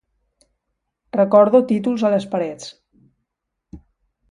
Recordo títols a les parets.